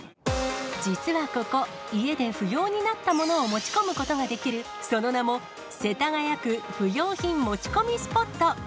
実はここ、家で不要になったものを持ち込むことができる、その名も、世田谷区不要品持ち込みスポット。